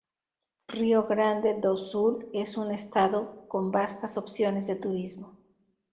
Río Grande do Sul es un estado con vastas opciones de turismo.